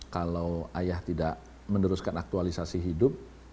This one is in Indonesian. kalau ayah tidak meneruskan aktualisasi hidup